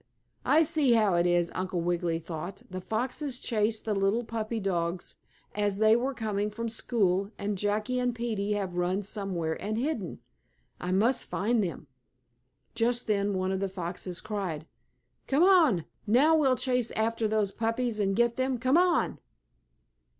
"I see how it is," Uncle Wiggily thought. "The foxes chased the little puppy dogs as they were coming from school and Jackie and Peetie have run somewhere and hidden. I must find them." Just then one of the foxes cried: "Come on. Now we'll chase after those puppies, and get them. Come on!"